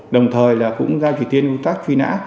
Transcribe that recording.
đồng thời là cũng giao chỉ tiêu công tác truy nã